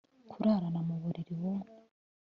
kurarana mu buriri bumwe